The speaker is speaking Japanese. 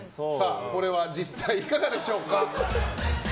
これは実際いかがでしょうか？